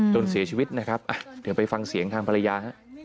จนเสียชีวิตนะครับเดี๋ยวไปฟังเสียงทางภรรยาฮะ